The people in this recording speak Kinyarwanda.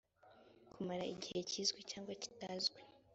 kumara igihe kizwi cyangwa kitazwi